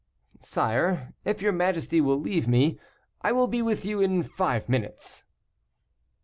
"Sire, if your majesty will leave me, I will be with you in five minutes."